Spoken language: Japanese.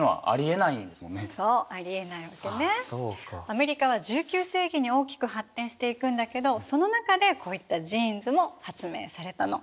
アメリカは１９世紀に大きく発展していくんだけどその中でこういったジーンズも発明されたの。